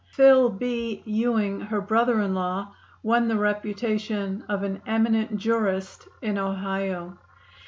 Phil. B. Ewing, her brother in law, won the reputation of an eminent jurist in Ohio.